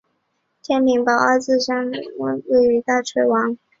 天平宝字二年孝谦天皇让位于大炊王。